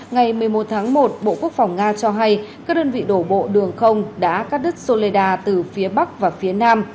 ngày một mươi một tháng một bộ quốc phòng nga cho hay các đơn vị đổ bộ đường không đã cắt đứt soleida từ phía bắc và phía nam